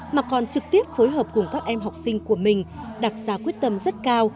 mà còn trực tiếp phối hợp cùng các em học sinh của mình đặt ra quyết tâm rất cao